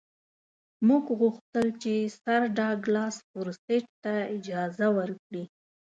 موږ وغوښتل چې سر ډاګلاس فورسیت ته اجازه ورکړي.